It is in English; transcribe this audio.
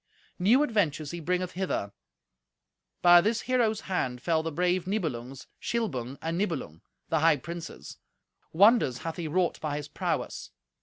New adventures he bringeth hither. By this hero's hand fell the brave Nibelungs, Shilbung and Nibelung, the high princes. Wonders hath he wrought by his prowess.